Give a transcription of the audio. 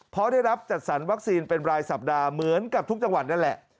เพราะได้รับจัดสรรวัคซีนเป็นรายสัปดาห์เหมือนกับทุกจังหวัดนั่นแหละ